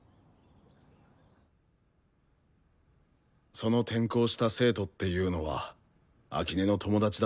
その転校した生徒っていうのは秋音の友達だったらしい。